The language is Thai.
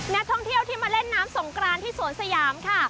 นักท่องเที่ยวที่มาเล่นน้ำสงกรานที่สวนสยามค่ะ